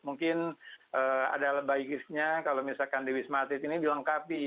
mungkin ada lebih baiknya kalau misalkan di wismatid ini dilengkapi